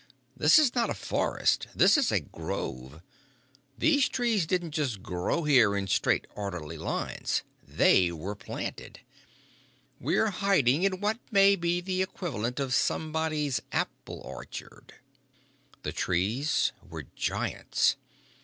"This is not a forest. This is a grove. These trees didn't just grow here in straight orderly lines. They were planted! We are hiding in what may be the equivalent of somebody's apple orchard." The trees were giants.